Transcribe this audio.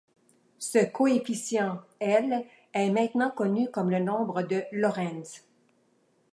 Ce coefficient, L, est maintenant connu comme le nombre de Lorenz.